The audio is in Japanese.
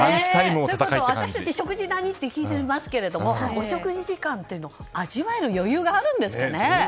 ということは私たち、食事何って聞いていますけどお食事時間というのは味わえる余裕があるんですか？